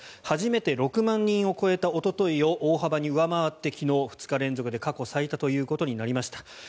初めて６万人を超えたおとといを大幅に上回って昨日、２日連続で過去最多ということになりました。